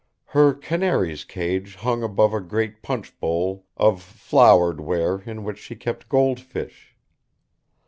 Her canaries' cage hung above a great punch bowl of flowered ware in which she kept gold fish.